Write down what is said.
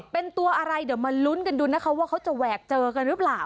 เป็นตัวอะไรเดี๋ยวมาลุ้นกันดูนะคะว่าเขาจะแหวกเจอกันหรือเปล่า